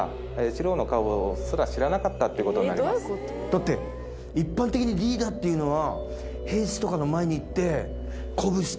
だって一般的にリーダーっていうのは。